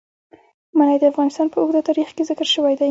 منی د افغانستان په اوږده تاریخ کې ذکر شوی دی.